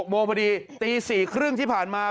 โมงพอดีตี๔๓๐ที่ผ่านมา